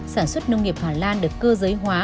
sản xuất nông nghiệp hà lan được cơ giới hóa